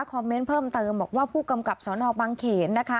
เมนต์เพิ่มเติมบอกว่าผู้กำกับสนบังเขนนะคะ